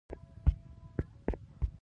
هغه ورته پتون وواهه.